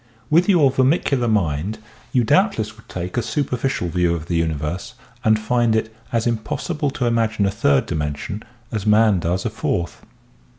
With your vermicular mind you doubtless would take a superficial view of the universe and find it as im possible to imagine a third dimension as man does a fourth.